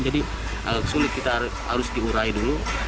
jadi agak sulit kita harus diurai dulu